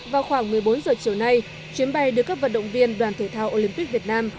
vào khoảng một mươi bốn giờ chiều nay chuyến bay đưa các vận động viên đoàn thể thao olympic việt nam